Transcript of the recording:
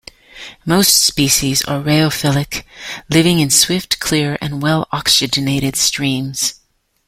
Most species are rheophilic, living in swift, clear and well-oxygenated streams.